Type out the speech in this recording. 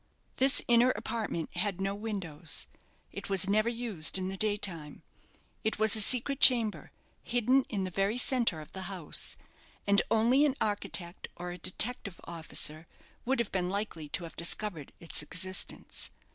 This inner apartment had no windows. It was never used in the day time. It was a secret chamber, hidden in the very centre of the house; and only an architect or a detective officer would have been likely to have discovered its existence.